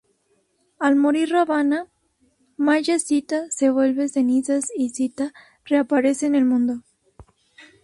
Al morir Ravana, Maya Sita se vuelve cenizas y Sita reaparece en el mundo.